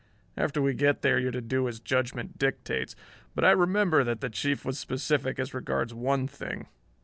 After we get there you are to do as judgment dictates. But I remember that the Chief was specific as regards one thing.